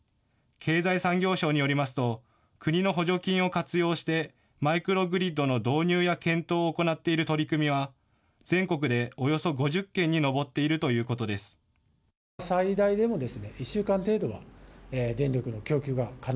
経済産業省によりますと国の補助金を活用してマイクログリッドの導入や検討を行っている取り組みは全国でおよそ５０件に上っているということです。